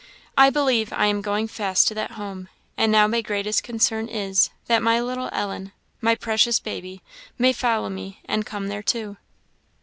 I believe I am going fast to that home; and now my greatest concern is, that my little Ellen my precious baby may follow me, and come there too."